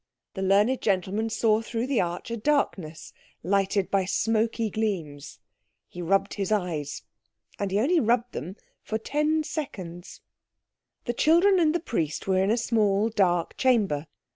The learned gentleman saw through the arch a darkness lighted by smoky gleams. He rubbed his eyes. And he only rubbed them for ten seconds. The children and the Priest were in a small, dark chamber.